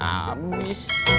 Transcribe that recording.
sampai jumpa di video selanjutnya